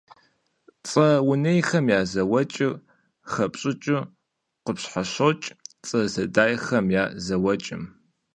Цӏэ унейхэм я зэуэкӏыр хэпщӏыкӏыу къыщхьэщокӏ цӏэ зэдайхэм я зэуэкӏым.